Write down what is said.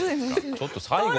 ちょっと最後がな。